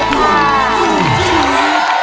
สวัสดีครับ